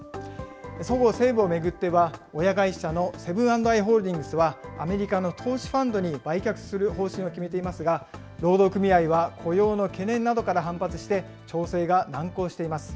そごう・西武を巡っては、親会社のセブン＆アイ・ホールディングスは、アメリカの投資ファンドに売却する方針を決めていますが、労働組合は雇用の懸念などから反発して、調整が難航しています。